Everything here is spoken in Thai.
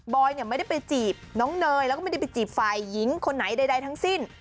อยเนี่ยไม่ได้ไปจีบน้องเนยแล้วก็ไม่ได้ไปจีบฝ่ายหญิงคนไหนใดทั้งสิ้น